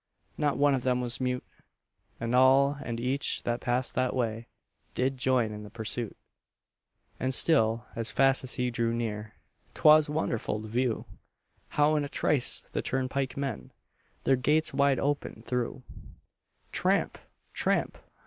Not one of them was mute; And all and each that passed that way Did join in the pursuit. And still, as fast as he drew near, 'Twas wonderful to view How in a trice the turnpike men Their gates wide open threw. Tramp! tramp!